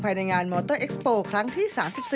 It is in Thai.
ภายในงานมอเตอร์เอ็กซ์โปร์ครั้งที่๓๒